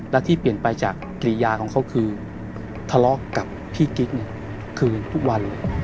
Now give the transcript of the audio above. และที่เปลี่ยนไปจากกรียาของเขาคือทะเลาะกับพี่กิ๊กทุกวัน